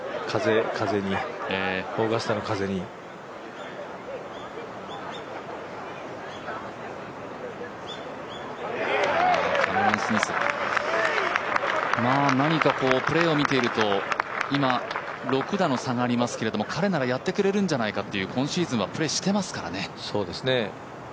キャメロン・スミス何かこう、プレーを見ていると今、６打の差がありますけど彼ならやってくれるんじゃないかという今シーズンはプレーしてますからね。